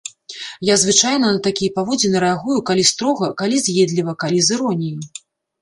Я звычайна на такія паводзіны рэагую, калі строга, калі з'едліва, калі з іроніяй.